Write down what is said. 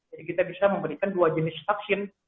jadi kita bisa memberikan dua jenis vaksin